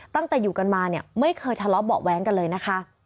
ตั้งแต่อยู่กันมาเนี่ยไม่เคยทะเลาะเบาะแว้งกันเลยนะคะ